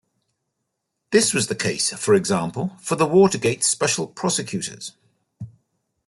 This was the case, for example, for the Watergate special prosecutors.